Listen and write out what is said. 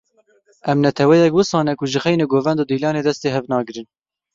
Em neteweyek wisa ne ku, ji xeynî govend û dîlanê destê hev nagirin.